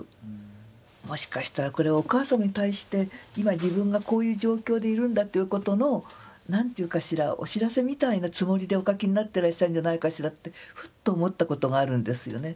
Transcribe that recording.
もしかしたらこれはお母さまに対して今自分がこういう状況でいるんだっていうことの何ていうかしらお知らせみたいなつもりでお書きになってらっしゃるんじゃないかしらってふっと思ったことがあるんですよね。